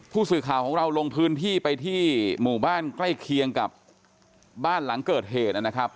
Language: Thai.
ผู้สื่อข่าวของเราลงพื้นที่ไปที่หมู่บ้านใกล้เคียงกับบ้านหลังเกิดเหตุนะครับ